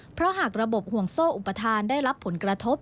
เพราะหากระบบห่วงโซ่อุปทานได้รับผลกระทบ